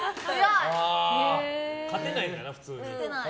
勝てないんだな、普通に。